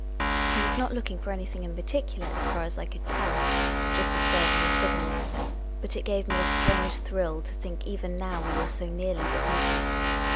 He was not looking for anything in particular, as far as I could tell — ^just observing the signals. But it gave me a strange thrill to think even now we were so nearly defeated.